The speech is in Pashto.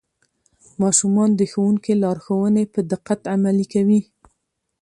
ماشومان د ښوونکي لارښوونې په دقت عملي کوي